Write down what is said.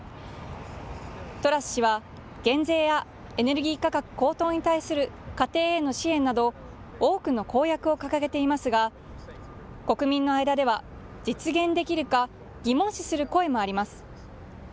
トラス氏は減税やエネルギー価格高騰に対する家庭への支援など、多くの公約を掲げていますが、国民の間では実現できるか疑問視する声もあります。